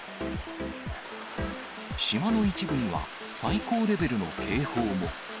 島の一部には、最高レベルの警報も。